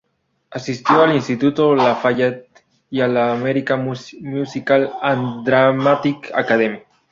Asistió al instituto Lafayette y a la American Musical and Dramatic Academy.